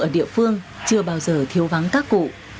ở địa phương chưa bao giờ thiếu vắng các cụ